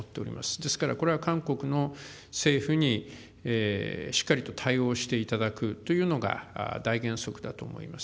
ですから、これは韓国の政府にしっかりと対応していただくというのが、大原則だと思います。